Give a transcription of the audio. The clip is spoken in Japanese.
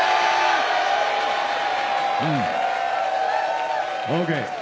うん。ＯＫ。